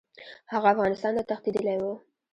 هغه افغانستان ته تښتېدلی وو.